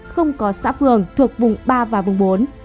không có xã phường thuộc vùng ba và vùng bốn